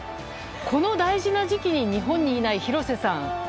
この大事な時期に日本にいない廣瀬さん。